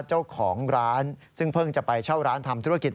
เจ้าของร้านซึ่งเพิ่งจะไปเช่าร้านทำธุรกิจ